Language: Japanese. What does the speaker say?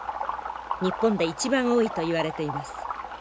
日本で一番多いといわれています。